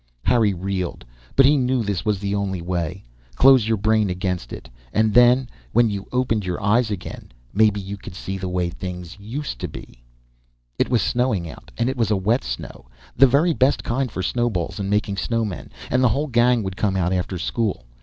Harry reeled, but he knew this was the only way. Close your brain against it. And then, when you opened your eyes again, maybe you could see the way things used to be It was snowing out and it was a wet snow, the very best kind for snowballs and making a snowman, and the whole gang would come out after school.